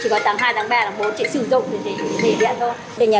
chỉ có tầng hai tầng ba tầng bốn chị sử dụng thì thì điện thôi